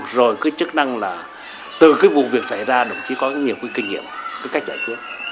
rồi cái chức năng là từ cái vụ việc xảy ra đồng chí có nhiều cái kinh nghiệm cái cách giải quyết